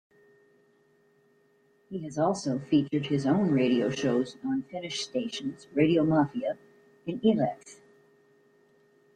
He has also featured his own radio shows on Finnish stations "Radiomafia" and "YleX".